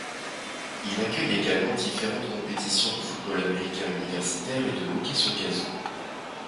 Il accueille également différentes compétitions de football américain universitaire et de hockey sur gazon.